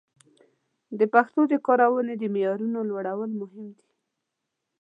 د پښتو د کارونې د معیارونو لوړول مهم دي.